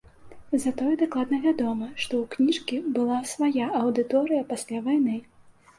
Затое дакладна вядома, што ў кніжкі была свая аўдыторыя пасля вайны.